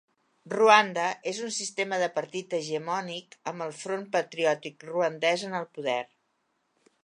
Ruanda és un sistema de partit hegemònic amb el Front Patriòtic Ruandès en el poder.